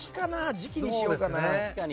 時期にしようかな。